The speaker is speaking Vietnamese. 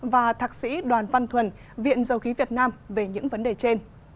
và thạc sĩ đoàn văn thuần viện dầu khí việt nam về những vấn đề trên